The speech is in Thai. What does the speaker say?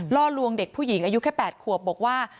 ล่อลวงเด็กผู้หญิงอายุแค่๘ขวบบอกว่า